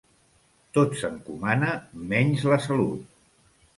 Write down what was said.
Tot s'encomana menys la salut.